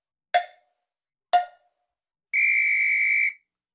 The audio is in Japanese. ピッ！